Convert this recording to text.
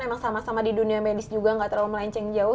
emang sama sama di dunia medis juga nggak terlalu melenceng jauh